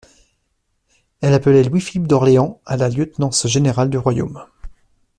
Elle appelait Louis-Philippe d'Orléans à la lieutenance générale du royaume.